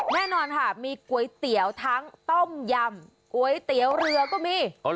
แน่นอนค่ะมีก๋วยเตี๋ยวทั้งต้มยำก๋วยเตี๋ยวเรือก็มี